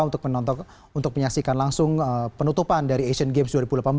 untuk menyaksikan langsung penutupan dari asian games dua ribu delapan belas